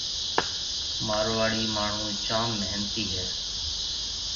مارواڙي ماڻھون جام محنتي ھيَََ